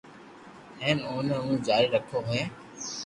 ھين اوني ھو جاري رکو ھي